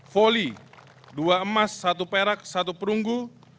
foli dua emas satu perak tiga perunggu